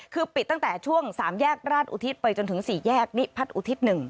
คือปิดตั้งแต่ช่วง๓แยกราชอุทิศไปจนถึง๔แยกนิพัฒน์อุทิศ๑